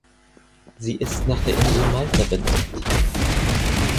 Sie ist nach der Insel Malta benannt.